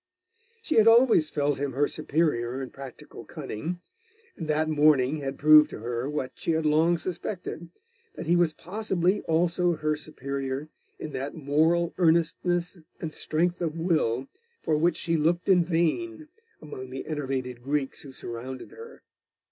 She had always felt him her superior in practical cunning; and that morning had proved to her what she had long suspected, that he was possibly also her superior in that moral earnestness and strength of will for which she looked in vain among the enervated Greeks who surrounded her.